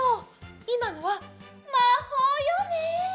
いまのはまほうよね？